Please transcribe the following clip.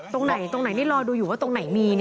ตรงไหนตรงไหนนี่รอดูอยู่ว่าตรงไหนมี